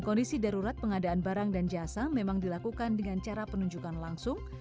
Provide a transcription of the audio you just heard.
kondisi darurat pengadaan barang dan jasa memang dilakukan dengan cara penunjukan langsung